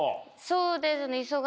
そうですね。